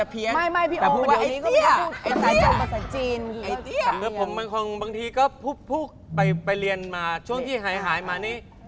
เพราะผมเองก็บางทีก็ไปเรียนมาช่วงที่หายมานี่